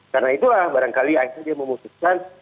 karena itulah barangkali akhirnya dia memutuskan